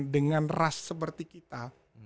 dengan ras seperti kita